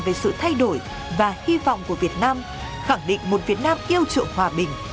về sự thay đổi và hy vọng của việt nam khẳng định một việt nam yêu trượng hòa bình